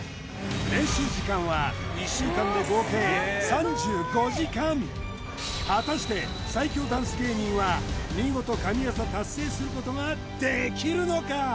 練習時間は果たして最強ダンス芸人は見事神業達成することができるのか？